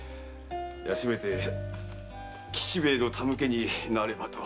せめて吉兵衛への手向けになればと。